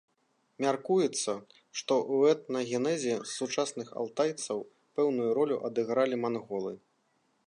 Мяркуецца, што ў этнагенезе сучасных алтайцаў пэўную ролю адыгралі манголы.